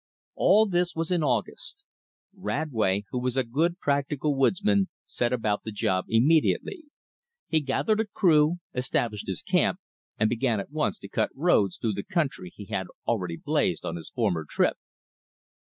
All this was in August. Radway, who was a good practical woodsman, set about the job immediately. He gathered a crew, established his camp, and began at once to cut roads through the country he had already blazed on his former trip.